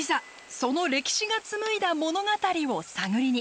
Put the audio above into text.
その歴史が紡いだ物語を探りに。